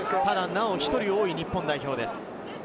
なお、１人多い日本代表です。